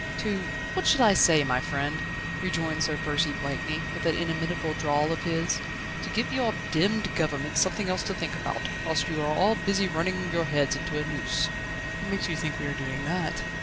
"To What shall I say, my friend?" rejoined Sir Percy Blakeney, with that inimitable drawl of his. "To give your demmed government something else to think about, whilst you are all busy running your heads into a noose." "What makes you think we are doing that?"